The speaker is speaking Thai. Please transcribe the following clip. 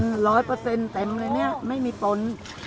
คือมันร้อยเปอร์เซ็นต์เต็มเลยไม่มีตน